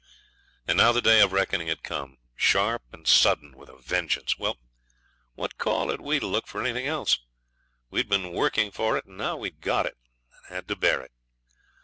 And now the day of reckoning had come sharp and sudden with a vengeance! Well, what call had we to look for anything else? We had been working for it; now we had got it, and had to bear it.